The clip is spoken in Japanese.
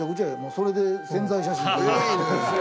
それで宣材写真撮ろうや。